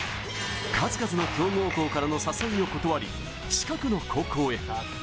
数々の強豪校からの誘いを断り近くの高校へ。